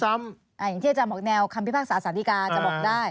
อย่างที่อาจารย์บอกแนวคำพิพากษาสารดีกาจะบอกได้